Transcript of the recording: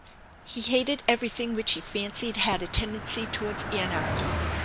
He hated everything which he fancied had a tendency towards anarchy.